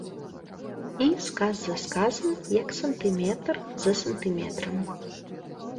І сказ за сказам, як сантыметр за сантыметрам.